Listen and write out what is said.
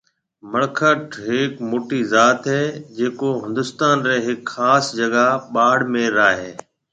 مڙکٽ هڪ موٽي ذات هيَ جيڪو هندوستان رِي هڪ کاس جگا ٻاݪميڙ را هيَ۔